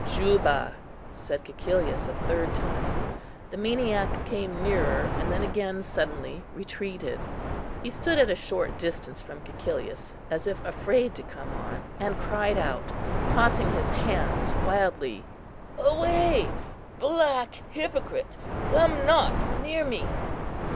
"Juba," said Cæcilius a third time. The maniac came nearer, and then again suddenly retreated. He stood at a short distance from Cæcilius, as if afraid to come on, and cried out, tossing his hands wildly, "Away, black hypocrite, come not near me!